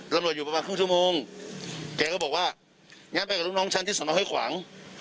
ตำรวจอยู่ประมาณครึ่งชั่วโมงแกก็บอกว่างั้นไปกับลูกน้องฉันที่สนห้วยขวาง